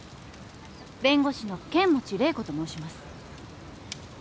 弁護士の剣持麗子と申します。